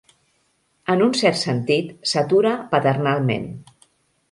En un cert sentit, s'atura paternalment.